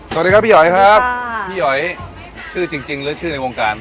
สวัสดีครับพี่หอยครับพี่หอยชื่อจริงหรือชื่อในวงการ